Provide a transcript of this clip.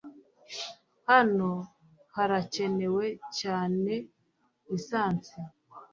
Hano harakenewe cyane lisansi